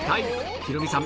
ヒロミさん